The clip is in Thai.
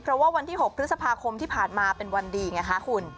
เพราะว่าวันที่๖พฤษภาคมที่ผ่านมาเป็นวันดีไงคะคุณ